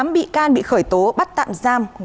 tám bị can bị khởi tố bắt tạm giam